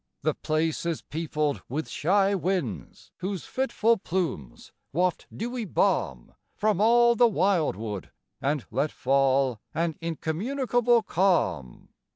The place is peopled with shy winds Whose fitful plumes waft dewy balm From all the wildwood, and let fall An incommunicable calm.